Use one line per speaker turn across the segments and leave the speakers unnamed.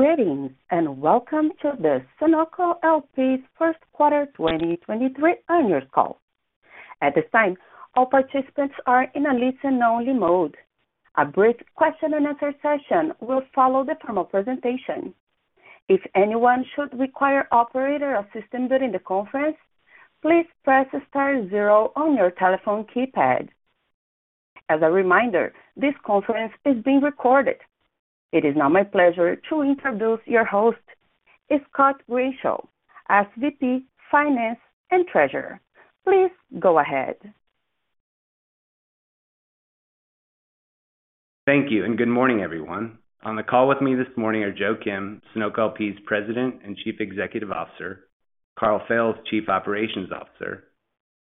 Greetings, welcome to the Sunoco LP's first quarter 2023 earnings call. At this time, all participants are in a listen only mode. A brief question and answer session will follow the formal presentation. If anyone should require operator assistance during the conference, please press star zero on your telephone keypad. As a reminder, this conference is being recorded. It is now my pleasure to introduce your host, Scott Grischow, Senior Vice President, Finance and Treasurer. Please go ahead.
Thank you. Good morning, everyone. On the call with me this morning are Joe Kim, Sunoco LP's President and Chief Executive Officer, Karl Fails, Chief Operations Officer,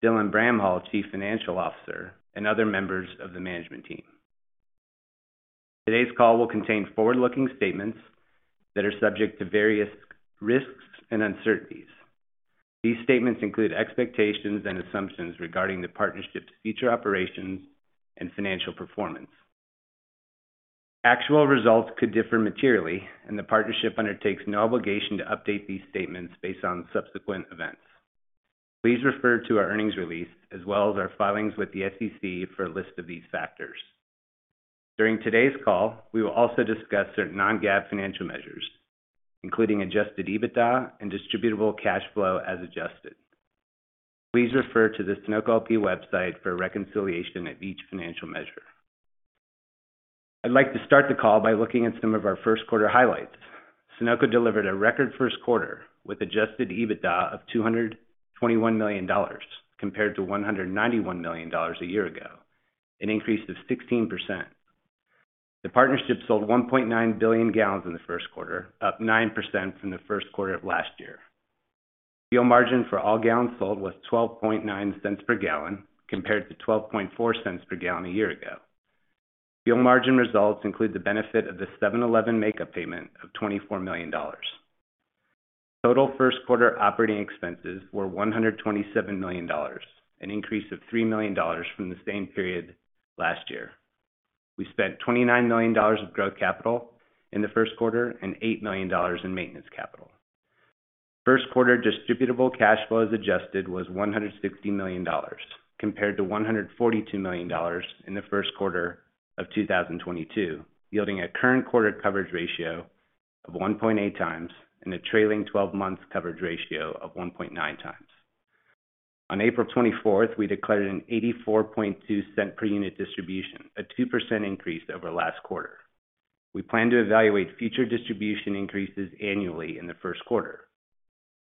Dylan Bramhall, Chief Financial Officer, and other members of the management team. Today's call will contain forward-looking statements that are subject to various risks and uncertainties. These statements include expectations and assumptions regarding the partnership's future operations and financial performance. Actual results could differ materially, and the partnership undertakes no obligation to update these statements based on subsequent events. Please refer to our earnings release as well as our filings with the SEC for a list of these factors. During today's call, we will also discuss certain non-GAAP financial measures, including adjusted EBITDA and Distributable Cash Flow, as adjusted. Please refer to the Sunoco LP website for a reconciliation of each financial measure. I'd like to start the call by looking at some of our first quarter highlights. Sunoco delivered a record first quarter with adjusted EBITDA of $221 million, compared to $191 million a year ago, an increase of 16%. The partnership sold 1.9 billion gallons in the first quarter, up 9% from the first quarter of last year. Fuel margin for all gallons sold was $0.129 per gallon, compared to $0.124 per gallon a year ago. Fuel margin results include the benefit of the 7-Eleven makeup payment of $24 million. Total first quarter operating expenses were $127 million, an increase of $3 million from the same period last year. We spent $29 million of growth capital in the first quarter and $8 million in maintenance capital. First quarter Distributable Cash Flow, as adjusted was $160 million compared to $142 million in the first quarter of 2022, yielding a current quarter last quarter. We plan to evaluate future distribution increases annually in the first quarter,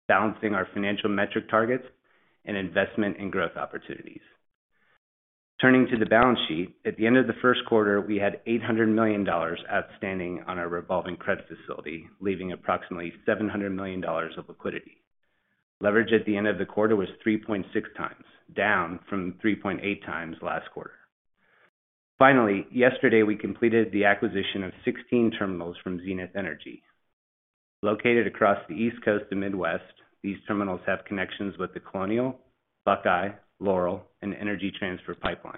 balancing our financial metric targets and investment in growth opportunities. Turning to the balance sheet, at the end of the first quarter, we had $800 million outstanding on our revolving credit facility, leaving approximately $700 million of liquidity. Leverage at the end of the quarter was 3.6x, down from 3.8x last quarter. Finally, yesterday, we completed the acquisition of 16 terminals from Zenith Energy. Located across the East Coast and Midwest, these terminals have connections with the Colonial, Buckeye, Laurel, and Energy Transfer pipelines.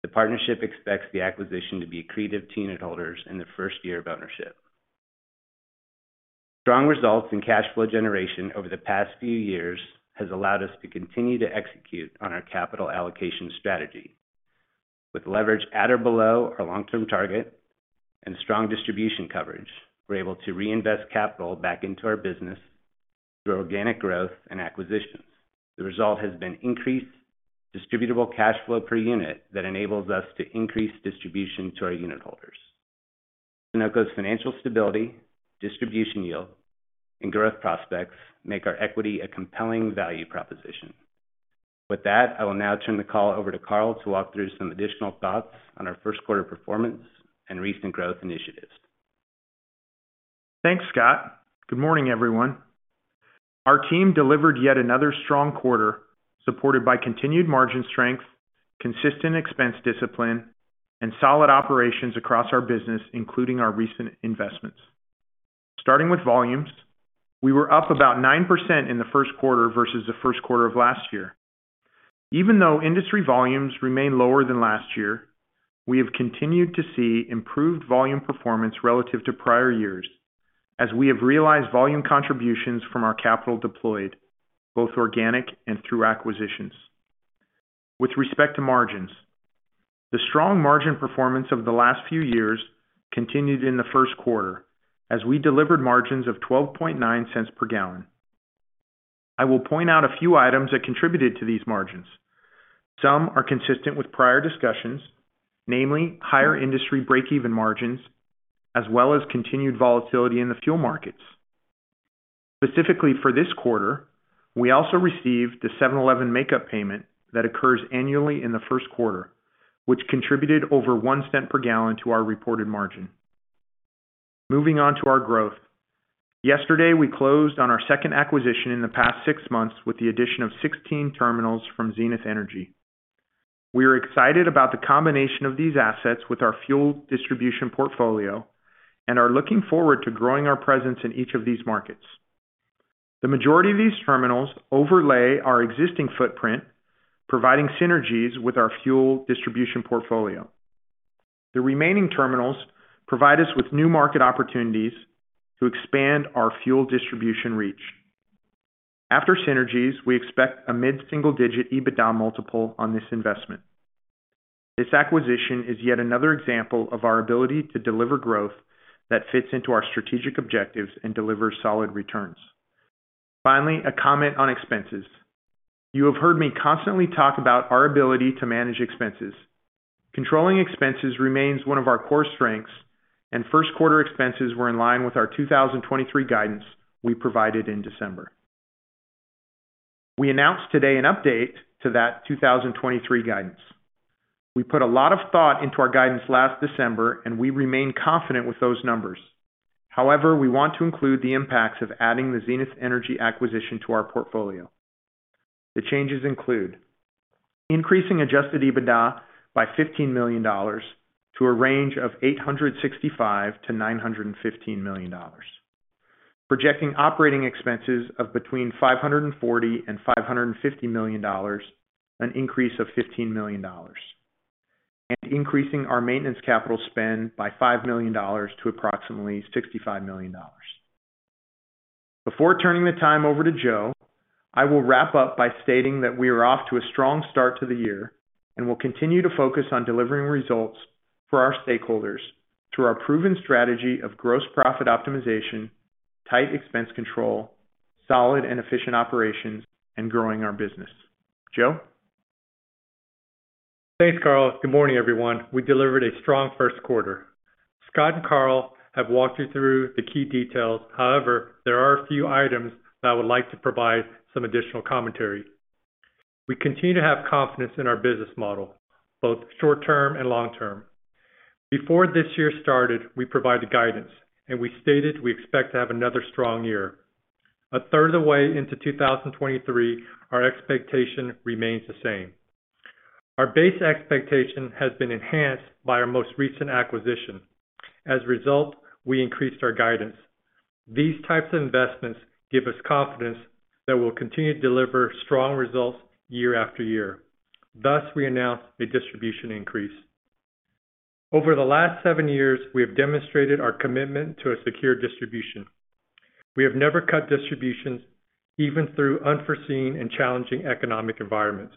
The partnership expects the acquisition to be accretive to unitholders in the first year of ownership. Strong results in cash flow generation over the past few years has allowed us to continue to execute on our capital allocation strategy. With leverage at or below our long-term target and strong distribution coverage, we're able to reinvest capital back into our business through organic growth and acquisitions. The result has been increased Distributable Cash Flow per unit that enables us to increase distribution to our unitholders. Sunoco's financial stability, distribution yield, and growth prospects make our equity a compelling value proposition. With that, I will now turn the call over to Karl to walk through some additional thoughts on our first quarter performance and recent growth initiatives.
Thanks, Scott. Good morning, everyone. Our team delivered yet another strong quarter, supported by continued margin strength, consistent expense discipline, and solid operations across our business, including our recent investments. Starting with volumes, we were up about 9% in the first quarter versus the first quarter of last year. Even though industry volumes remain lower than last year, we have continued to see improved volume performance relative to prior years as we have realized volume contributions from our capital deployed, both organic and through acquisitions. With respect to margins, the strong margin performance over the last few years continued in the first quarter as we delivered margins of $0.129 per gallon. I will point out a few items that contributed to these margins. Some are consistent with prior discussions, namely higher industry breakeven margins, as well as continued volatility in the fuel markets. Specifically for this quarter, we also received the 7-Eleven makeup payment that occurs annually in the first quarter, which contributed over $0.01 per gallon to our reported margin. Moving on to our growth. Yesterday, we closed on our second acquisition in the past six months with the addition of 16 terminals from Zenith Energy. We are excited about the combination of these assets with our fuel distribution portfolio and are looking forward to growing our presence in each of these markets. The majority of these terminals overlay our existing footprint, providing synergies with our fuel distribution portfolio. The remaining terminals provide us with new market opportunities to expand our fuel distribution reach. After synergies, we expect a mid-single digit EBITDA multiple on this investment. This acquisition is yet another example of our ability to deliver growth that fits into our strategic objectives and delivers solid returns. Finally, a comment on expenses. You have heard me constantly talk about our ability to manage expenses. Controlling expenses remains one of our core strengths. First quarter expenses were in line with our 2023 guidance we provided in December. We announced today an update to that 2023 guidance. We put a lot of thought into our guidance last December, and we remain confident with those numbers. However, we want to include the impacts of adding the Zenith Energy acquisition to our portfolio. The changes include increasing adjusted EBITDA by $15 million to a range of $865 million-$915 million, projecting operating expenses of between $540 million and $550 million, an increase of $15 million, and increasing our maintenance capital spend by $5 million to approximately $65 million. Before turning the time over to Joe, I will wrap up by stating that we are off to a strong start to the year and will continue to focus on delivering results for our stakeholders through our proven strategy of gross profit optimization, tight expense control, solid and efficient operations, and growing our business. Joe?
Thanks, Karl. Good morning, everyone. We delivered a strong first quarter. Scott and Karl have walked you through the key details. There are a few items that I would like to provide some additional commentary. We continue to have confidence in our business model, both short-term and long-term. Before this year started, we provided guidance, and we stated we expect to have another strong year. A third of the way into 2023, our expectation remains the same. Our base expectation has been enhanced by our most recent acquisition. As a result, we increased our guidance. These types of investments give us confidence that we'll continue to deliver strong results year after year. Thus, we announced a distribution increase. Over the last seven years, we have demonstrated our commitment to a secure distribution. We have never cut distributions even through unforeseen and challenging economic environments.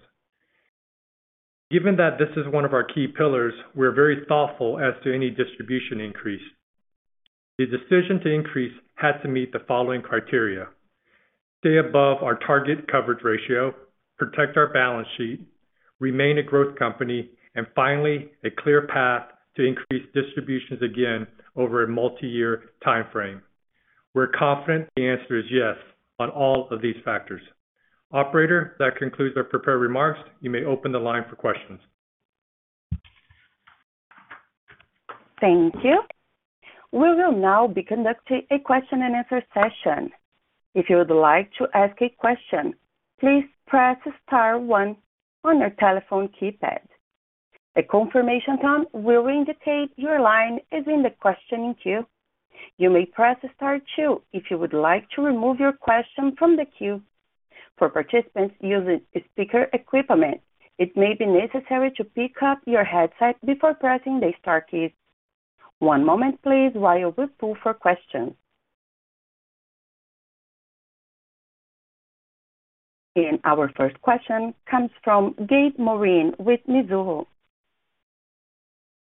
Given that this is one of our key pillars, we're very thoughtful as to any distribution increase. The decision to increase had to meet the following criteria: stay above our target coverage ratio, protect our balance sheet, remain a growth company, and finally, a clear path to increase distributions again over a multi-year timeframe. We're confident the answer is yes on all of these factors. Operator, that concludes our prepared remarks. You may open the line for questions.
Thank you. We will now be conducting a question-and-answer session. If you would like to ask a question, please press star one on your telephone keypad. A confirmation tone will indicate your line is in the questioning queue. You may press star two if you would like to remove your question from the queue. For participants using speaker equipment, it may be necessary to pick up your headset before pressing the star keys. One moment, please, while we pull for questions. Our first question comes from Gabe Moreen with Mizuho.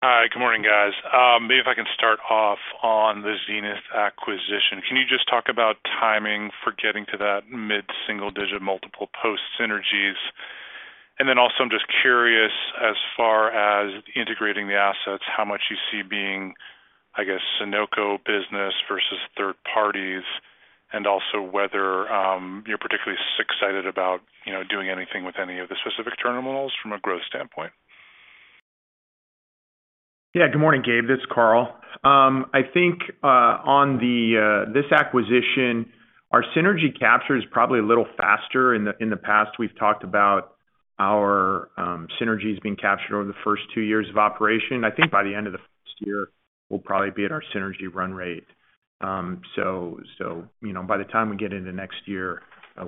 Hi. Good morning, guys. Maybe if I can start off on the Zenith acquisition, can you just talk about timing for getting to that mid-single digit multiple post synergies? Then also I'm just curious, as far as integrating the assets, how much you see being, I guess, Sunoco business versus third parties, and also whether you're particularly excited about, you know, doing anything with any of the specific terminals from a growth standpoint.
Yeah. Good morning, Gabe. This is Karl. I think on this acquisition, our synergy capture is probably a little faster. In the past, we've talked about our synergies being captured over the first two years of operation. I think by the end of the first year, we'll probably be at our synergy run rate. You know, by the time we get into next year,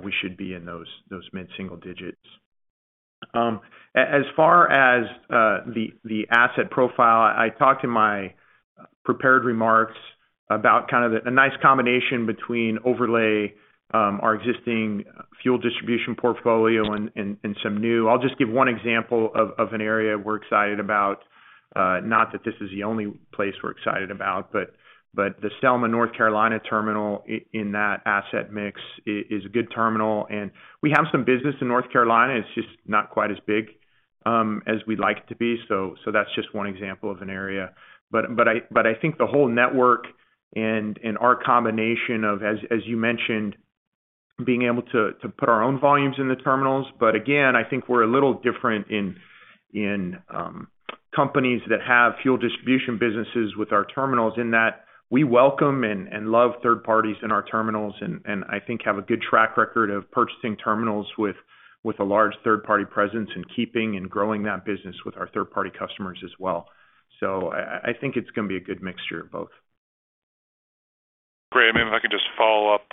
we should be in those mid-single digits. As far as the asset profile, I talked in my prepared remarks about kind of a nice combination between overlay, our existing fuel distribution portfolio and some new. I'll just give one example of an area we're excited about, not that this is the only place we're excited about, but the Selma, North Carolina terminal in that asset mix is a good terminal. We have some business in North Carolina. It's just not quite as big as we'd like it to be. That's just one example of an area. I think the whole network and our combination of, as you mentioned, being able to put our own volumes in the terminals. Again, I think we're a little different in companies that have fuel distribution businesses with our terminals in that we welcome and love third parties in our terminals, and I think have a good track record of purchasing terminals with a large third-party presence and keeping and growing that business with our third-party customers as well. I think it's gonna be a good mixture of both.
I can just follow up,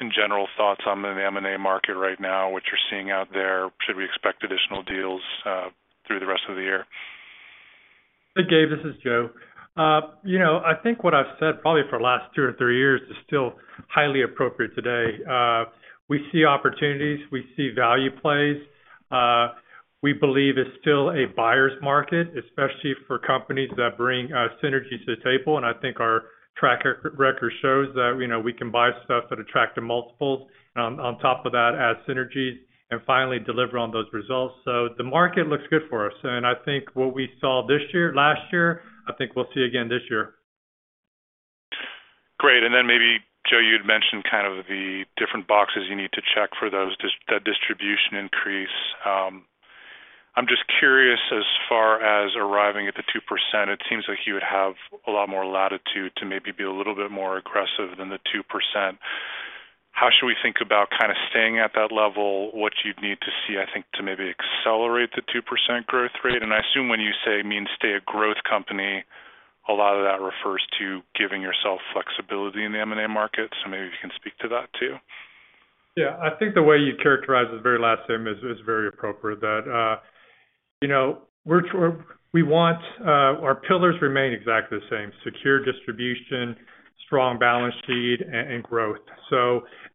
in general thoughts on the M&A market right now, what you're seeing out there, should we expect additional deals through the rest of the year?
Hey, Gabe, this is Joe. you know, I think what I've said probably for the last two or three years is still highly appropriate today. We see opportunities, we see value plays. We believe it's still a buyer's market, especially for companies that bring synergies to the table, and I think our track record shows that, you know, we can buy stuff at attractive multiples on top of that, add synergies and finally deliver on those results. The market looks good for us. I think what we saw last year, I think we'll see again this year.
Great. Then maybe, Joe, you'd mentioned kind of the different boxes you need to check for that distribution increase. I'm just curious, as far as arriving at the 2%, it seems like you would have a lot more latitude to maybe be a little bit more aggressive than the 2%. How should we think about kind of staying at that level, what you'd need to see, I think, to maybe accelerate the 2% growth rate? I assume when you say mean stay a growth company, a lot of that refers to giving yourself flexibility in the M&A market. Maybe you can speak to that too.
Yeah. I think the way you characterize the very last term is very appropriate. You know, we want our pillars remain exactly the same: secure distribution, strong balance sheet, and growth.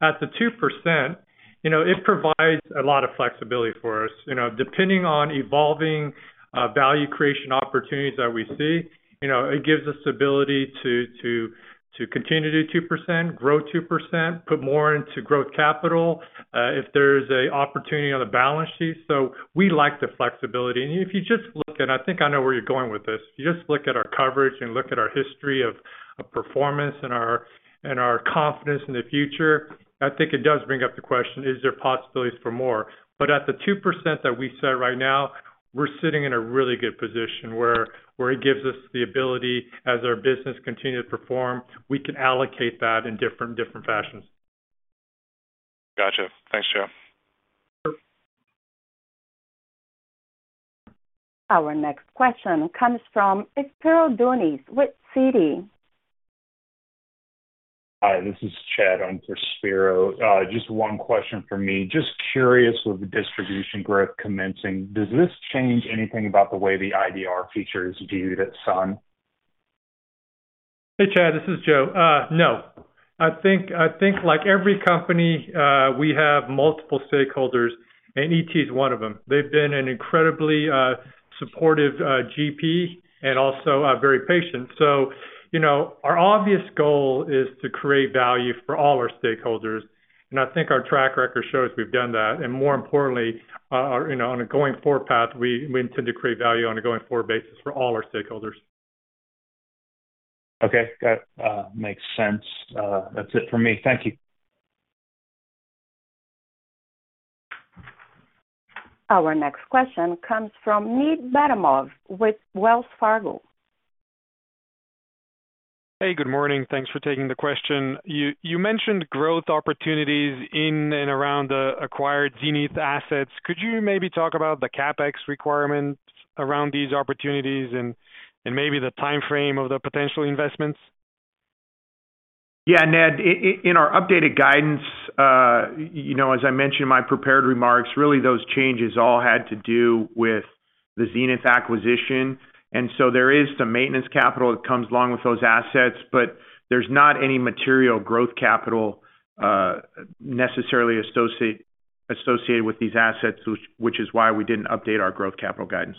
At the 2%, you know, it provides a lot of flexibility for us. You know, depending on evolving value creation opportunities that we see, you know, it gives us ability to continue to do 2%, grow 2%, put more into growth capital if there's a opportunity on the balance sheet. We like the flexibility. If you just look at I think I know where you're going with this. You just look at our coverage and look at our history of performance and our confidence in the future, I think it does bring up the question, is there possibilities for more? At the 2% that we set right now, we're sitting in a really good position where it gives us the ability, as our business continue to perform, we can allocate that in different fashions.
Gotcha. Thanks, Joe.
Our next question comes from Spiro Dounis with Citi.
Hi, this is Chad on for Spiro. Just one question for me. Just curious, with the distribution growth commencing, does this change anything about the way the IDR feature is viewed at SUN?
Hey, Chad, this is Joe. No. I think like every company, we have multiple stakeholders, and ET is one of them. They've been an incredibly supportive GP and also very patient. you know, our obvious goal is to create value for all our stakeholders. I think our track record shows we've done that. more importantly, you know, on a going-forward path, we intend to create value on a going-forward basis for all our stakeholders.
Okay. That makes sense. That's it for me. Thank you.
Our next question comes from Ned Baramov with Wells Fargo.
Hey, good morning. Thanks for taking the question. You mentioned growth opportunities in and around the acquired Zenith assets. Could you maybe talk about the CapEx requirements around these opportunities and maybe the timeframe of the potential investments?
Yeah. Ned, in our updated guidance, you know, as I mentioned in my prepared remarks, really those changes all had to do with the Zenith acquisition. There is some maintenance capital that comes along with those assets, there's not any material growth capital necessarily associated with these assets, which is why we didn't update our growth capital guidance.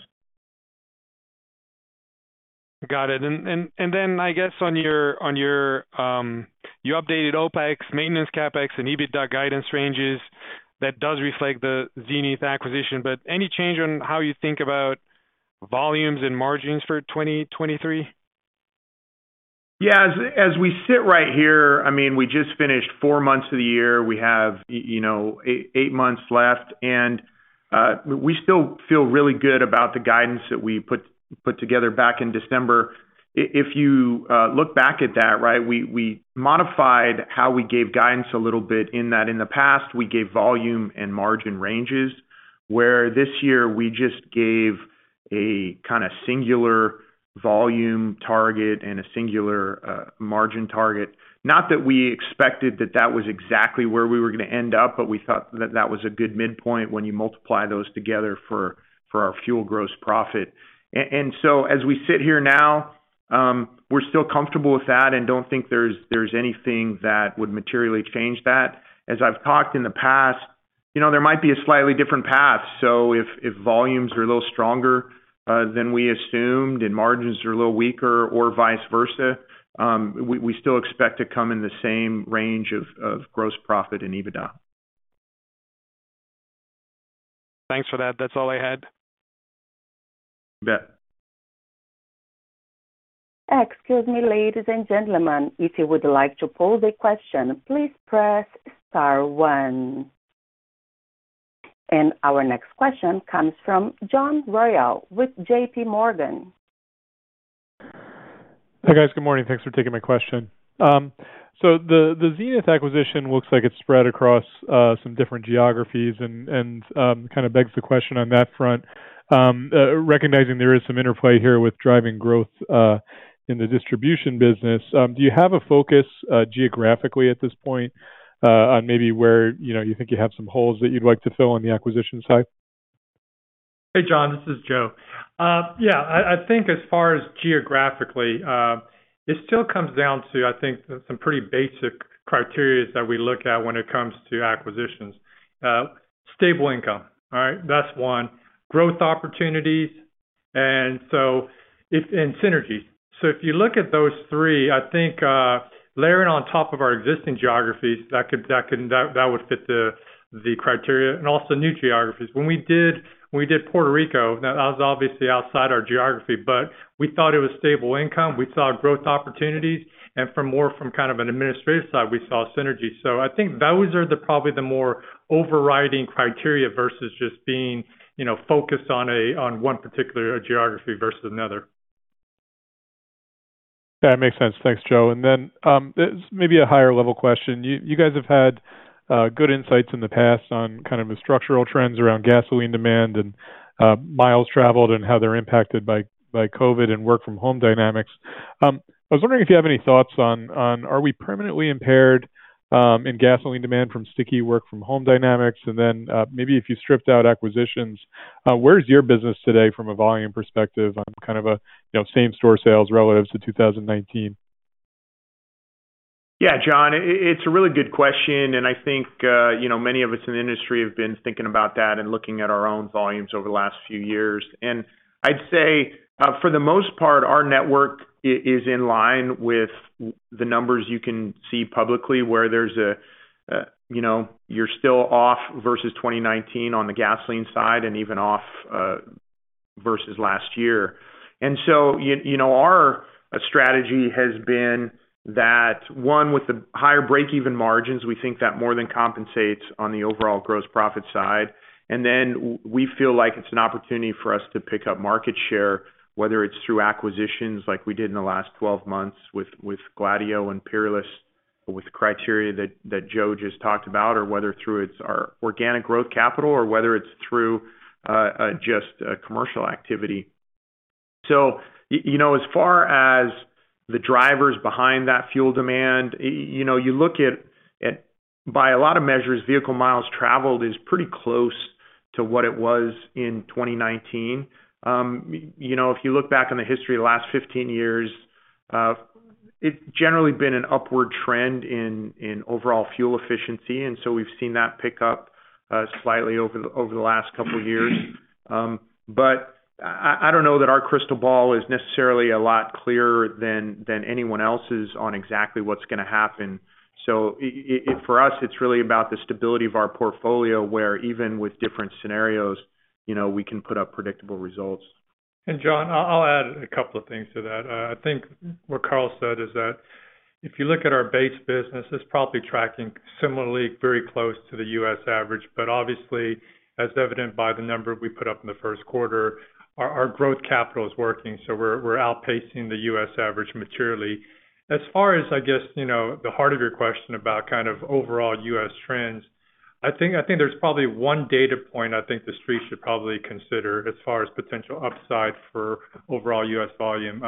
Got it. Then I guess on your, you updated OpEx, maintenance CapEx and EBITDA guidance ranges, that does reflect the Zenith acquisition, but any change on how you think about volumes and margins for 2023?
As we sit right here, I mean, we just finished four months of the year. We have, you know, eight months left, we still feel really good about the guidance that we put together back in December. If you look back at that, right, we modified how we gave guidance a little bit in that in the past, we gave volume and margin ranges, where this year we just gave a kinda singular volume target and a singular margin target. Not that we expected that that was exactly where we were gonna end up, but we thought that that was a good midpoint when you multiply those together for our fuel gross profit. As we sit here now, we're still comfortable with that and don't think there's anything that would materially change that. As I've talked in the past, you know, there might be a slightly different path. If volumes are a little stronger than we assumed and margins are a little weaker or vice versa, we still expect to come in the same range of gross profit and EBITDA.
Thanks for that. That's all I had.
You bet.
Excuse me, ladies and gentlemen. If you would like to pose a question, please press star one. Our next question comes from John Royall with JPMorgan.
Hey, guys. Good morning. Thanks for taking my question. The Zenith Energy acquisition looks like it's spread across some different geographies and kind of begs the question on that front. Recognizing there is some interplay here with driving growth. In the distribution business, do you have a focus, geographically at this point, on maybe where, you know, you think you have some holes that you'd like to fill on the acquisition side?
Hey, John, this is Joe. Yeah, I think as far as geographically, it still comes down to, I think, some pretty basic criterias that we look at when it comes to acquisitions. Stable income. All right, that's one. Growth opportunities. Synergies. If you look at those three, I think, layering on top of our existing geographies, that could, that would fit the criteria and also new geographies. When we did Puerto Rico, that was obviously outside our geography, but we thought it was stable income. We saw growth opportunities, and from more from kind of an administrative side, we saw synergies. I think those are the probably the more overriding criteria versus just being, you know, focused on one particular geography versus another.
That makes sense. Thanks, Joe. This may be a higher level question. You guys have had good insights in the past on kind of the structural trends around gasoline demand and miles traveled and how they're impacted by COVID and work from home dynamics. I was wondering if you have any thoughts on are we permanently impaired in gasoline demand from sticky work from home dynamics? Then, maybe if you stripped out acquisitions, where is your business today from a volume perspective on kind of a, you know, same store sales relative to 2019?
Yeah, John, it's a really good question. I think, you know, many of us in the industry have been thinking about that and looking at our own volumes over the last few years. I'd say, for the most part, our network is in line with the numbers you can see publicly where there's, you know, you're still off versus 2019 on the gasoline side and even off versus last year. So, you know, our strategy has been that one, with the higher breakeven margins, we think that more than compensates on the overall gross profit side. We feel like it's an opportunity for us to pick up market share, whether it's through acquisitions like we did in the last 12 months with Gladieux and Peerless with criteria that Joe just talked about or whether through it's our organic growth capital or whether it's through just commercial activity. You know, as far as the drivers behind that fuel demand, you know, you look at by a lot of measures, vehicle miles traveled is pretty close to what it was in 2019. You know, if you look back on the history of the last 15 years, it's generally been an upward trend in overall fuel efficiency. We've seen that pick up slightly over the last couple years. I don't know that our crystal ball is necessarily a lot clearer than anyone else's on exactly what's gonna happen. For us, it's really about the stability of our portfolio, where even with different scenarios, you know, we can put up predictable results.
John, I'll add a couple of things to that. I think what Karl said is that if you look at our base business, it's probably tracking similarly very close to the U.S. average. Obviously, as evident by the number we put up in the first quarter, our growth capital is working, so we're outpacing the U.S. average materially. As far as, I guess, you know, the heart of your question about kind of overall U.S. trends, I think there's probably one data point I think the street should probably consider as far as potential upside for overall U.S. volume.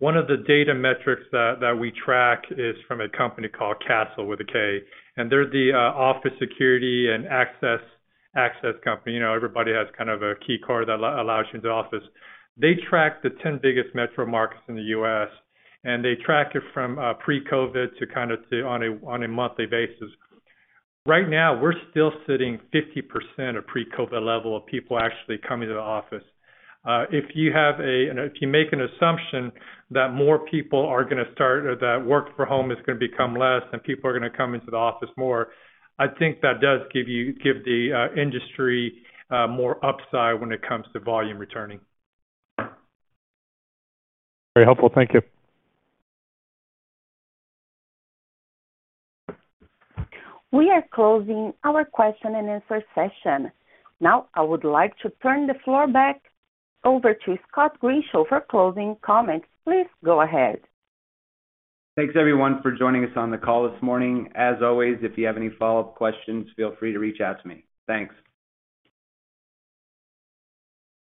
One of the data metrics that we track is from a company called Kastle with a K, and they're the office security and access company. You know, everybody has kind of a key card that allows you into the office. They track the 10 biggest metro markets in the U.S., they track it from pre-COVID to on a monthly basis. Right now, we're still sitting 50% of pre-COVID level of people actually coming to the office. If you make an assumption that more people are going to start or that work for home is going to become less and people are going to come into the office more, I think that does give you the industry more upside when it comes to volume returning.
Very helpful. Thank you.
We are closing our question and answer session. Now, I would like to turn the floor back over to Scott Grischow for closing comments. Please go ahead.
Thanks everyone for joining us on the call this morning. As always, if you have any follow-up questions, feel free to reach out to me. Thanks.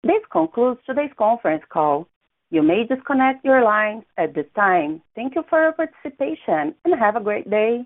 This concludes today's conference call. You may disconnect your lines at this time. Thank you for your participation, and have a great day.